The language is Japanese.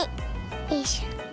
よいしょ。